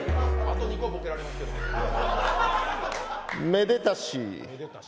めでたし。